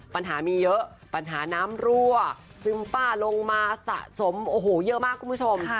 ปัญหามีเยอะปัญหาน้ำรั่วซึมป้าลงมาสะสมโอ้โหเยอะมากคุณผู้ชม